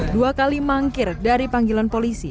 dua kali mangkir dari panggilan polisi